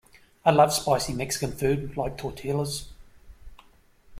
I love spicy Mexican food like tortillas.